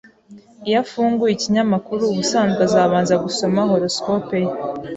Iyo afunguye ikinyamakuru, ubusanzwe azabanza gusoma horoscope ye.